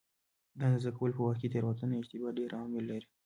د اندازه کولو په وخت کې تېروتنه یا اشتباه ډېر عوامل لري.